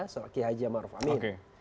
soal ki hajiah ma'ruf amin